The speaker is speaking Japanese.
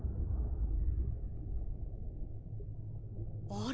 あれ！？